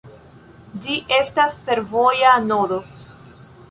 Ĝi estas fervoja nodo.